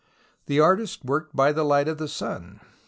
The artists worked by the light of the sun.